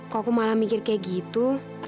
kok aku malah mikir kayak gitu